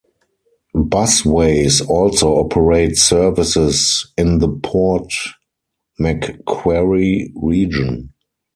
Busways also operate services in the Port Macquarie region.